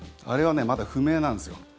あれはまだ不明なんですよ。